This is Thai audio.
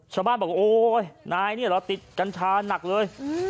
ชาวบ้านบอกโอ๊ยนายนี่เหรอติดกัญชานักเลย